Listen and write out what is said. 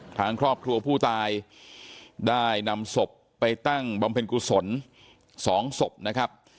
ทางครอบครัวผู้ตายได้นำศพไปตั้งบำเพ็ญกุศล๒ศพนะครับ